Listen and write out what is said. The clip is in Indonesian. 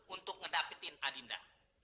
untuk ngedapetin adinda